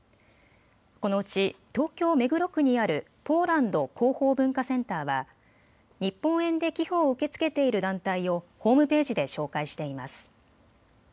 このうち東京目黒区にあるポーランド広報文化センターは日本円で寄付を受け付けている団体をホームページで紹介しています。